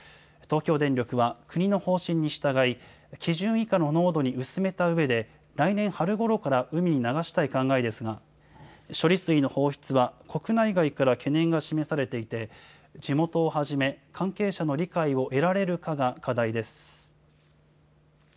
東京電力は国の方針に従い、基準以下の濃度に薄めたうえで、来年春頃から海に流したい考えですが、処理水の放出は、国内外から懸念が示されていて、地元をはじめ関係者の理解を得られるかが課題です。